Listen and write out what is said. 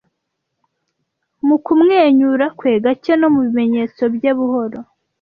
mu kumwenyura kwe gake no mubimenyetso bye buhoro